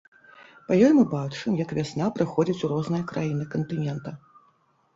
Па ёй мы бачым, як вясна прыходзіць у розныя краіны кантынента.